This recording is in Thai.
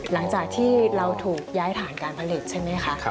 หลังจากที่เราถูกย้ายฐานการผลิตใช่ไหมคะ